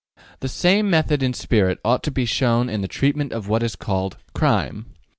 The same method in spirit ought to be shown in the treatment of what is called ``crime.''